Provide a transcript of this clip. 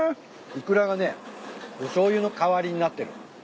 いくらがねおしょうゆの代わりになってる。